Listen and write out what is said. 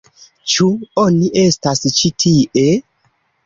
Ĉu oni estas ĉi tie?